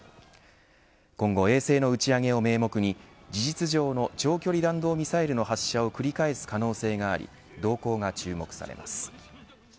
今後衛星の打ち上げを名目に事実上の長距離弾道ミサイルの発射を繰り返す可能性があり動向が注目されます。